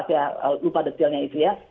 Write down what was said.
saya lupa detailnya itu ya